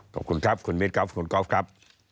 ขอบคุณครับคุณมิ้นครับคุณก๊อฟครับ